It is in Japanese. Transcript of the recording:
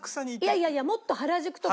いやいやいやもっと原宿とか。